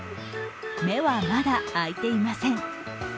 目はまだ開いていません。